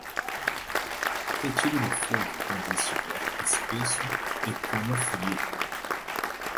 Retire do fogo quando estiver espesso e coma frio.